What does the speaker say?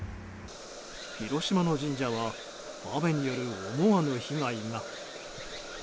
広島の神社は雨による思わぬ被害が。